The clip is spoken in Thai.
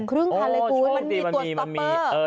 ครึ่งคันเลยคุณมันมีตัวสต๊อปเปอร์